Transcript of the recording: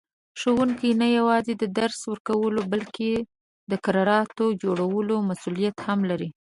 ښوونکی نه یوازې د درس ورکولو بلکې د کردار جوړولو مسئولیت هم لري.